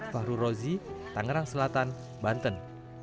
fahru rozi tangerang selatan banten